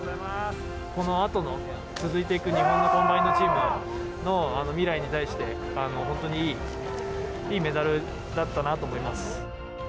このあとの続いていく日本のコンバインドチームの未来に対して、本当にいい、いいメダルだったなと思います。